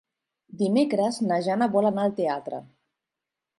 Dimecres na Jana vol anar al teatre.